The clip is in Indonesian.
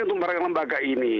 untuk mereka lembaga ini